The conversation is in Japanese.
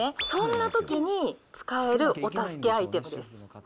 そんなときに使えるお助けアイテムです。